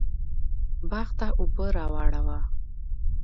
باغ ته اوبه راواړوه